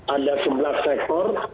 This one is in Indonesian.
ada sebelas sektor